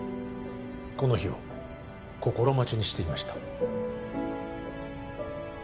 この日を心待ちにしていました